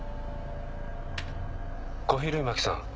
小比類巻さん。